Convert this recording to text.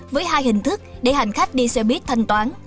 với hai hình thức để hành khách đi xe buýt thanh toán